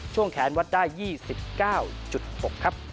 ช่วงแขนวัดได้๒๙๖ครับ